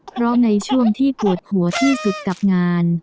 เพราะในช่วงที่ปวดหัวที่สุดกับงาน